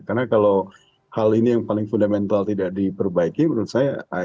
karena kalau hal ini yang paling fundamental tidak diperbaiki menurut saya